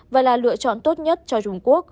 và là lựa chọn tốt nhất cho trung quốc